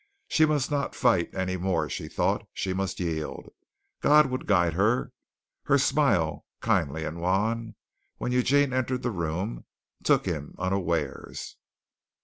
She must not fight any more, she thought. She must yield. God would guide her. Her smile, kindly and wan, when Eugene entered the room, took him unawares.